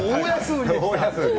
大安売り！